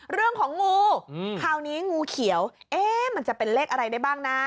เรื่องของงูคราวนี้งูเขียวเอ๊ะมันจะเป็นเลขอะไรได้บ้างนะ